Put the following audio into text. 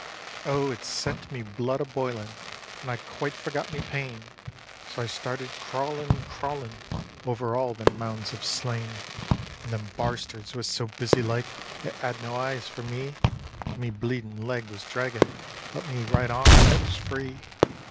Oh it set me blood a boilin' and I quite forgot me pain, So I started crawlin', crawlin' over all them mounds of slain; And them barstards was so busy like they 'ad no eyes for me, And me bleedin' leg was draggin', but me right arm it was free.